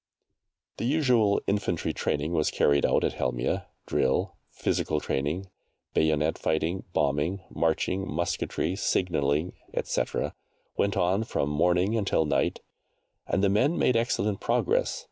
The usual infantry training was carried out at Helmieh drill, physical training, bayonet fighting, bombing, marching, musketry, signalling, etc., went on from morning until night, and the men made excellent progress.